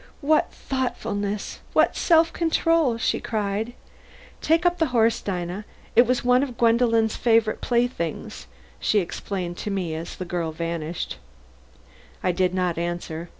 "What thoughtfulness! What self control!" she cried. "Take up the horse, Dinah. It was one of Gwendolen's favorite playthings," she explained to me as the girl vanished. I did not answer.